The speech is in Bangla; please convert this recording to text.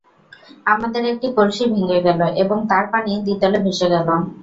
আমাদের একটি কলসি ভেঙ্গে গেল এবং তার পানি দ্বিতলে ভেসে গেল।